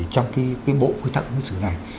trong cái bộ quy tắc của sự này